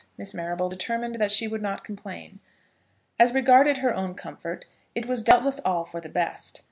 Miss Marrable determined that she would not complain. As regarded her own comfort it was doubtless all for the best.